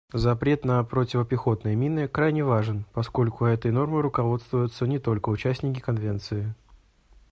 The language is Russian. Запрет на противопехотные мины крайне важен, поскольку этой нормой руководствуются не только участники Конвенции.